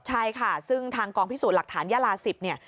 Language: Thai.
ใช่ค่ะซึ่งทางกองพิสูจน์หลักฐานยาราศิษย์